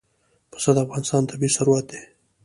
پسه د افغانستان طبعي ثروت دی.